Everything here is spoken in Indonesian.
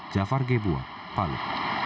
jafar gebua palu